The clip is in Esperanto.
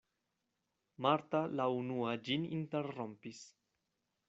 Marta la unua ĝin interrompis.